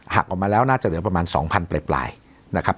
หักออกมาแล้วน่าจะเหลือประมาณ๒๐๐ปลายนะครับ